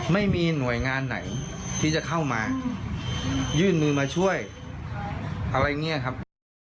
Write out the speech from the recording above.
ไม่มีหน่วยงานไหนที่จะเข้ามายื่นมือมาช่วยอะไรอย่างนี้ครับ